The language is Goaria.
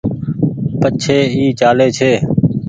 پڇي اي چآلي ڇي۔